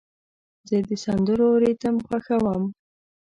زه د سندرو ریتم خوښوم.